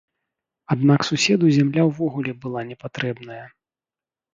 Аднак суседу зямля ўвогуле была не патрэбная.